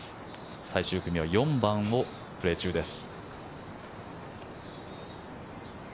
最終組は４番をプレー中です。